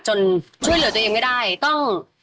ช่วยเหลือตัวเองไม่ได้ต้อง